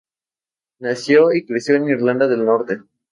Nació y creció en Irlanda del Norte.